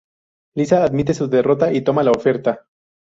Lisa admite su derrota y toma la oferta.